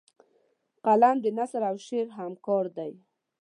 قلم د نثر او شعر همکار دی